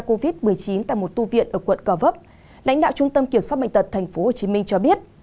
covid một mươi chín tại một tu viện ở quận gò vấp lãnh đạo trung tâm kiểm soát bệnh tật tp hcm cho biết